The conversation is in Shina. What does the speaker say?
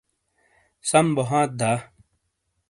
سم بو ہانتھ دا؟